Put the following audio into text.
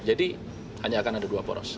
jadi hanya akan ada dua poros